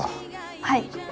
はい。